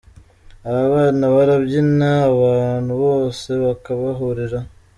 Aba bana barabyina abantu bose bakabahururira.